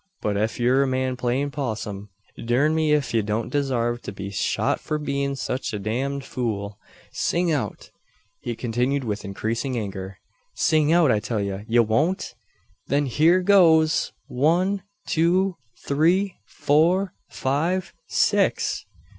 But ef ye're a man playin' possum, durn me ef ye don't desarve to be shot for bein' sech a damned fool. Sing out!" he continued with increasing anger, "sing out, I tell ye! Ye won't? Then hyur goes! One two three four five six!"